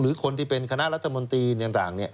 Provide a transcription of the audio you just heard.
หรือคนที่เป็นคณะรัฐมนตรีต่าง